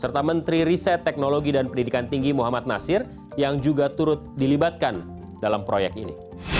serta menteri riset teknologi dan pendidikan tinggi muhammad nasir yang juga turut dilibatkan dalam proyek ini